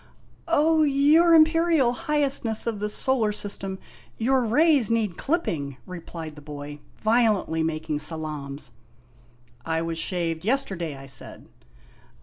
"" O your Imperial Highestness of the Solar System, your rays need clipping !" replied the boy violently making salaams. " I was shaved yesterday," I said.